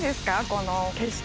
この景色。